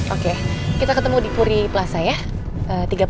oke kita ketemu di puri plaza ya